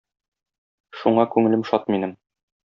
Шуңа күңелем шат минем.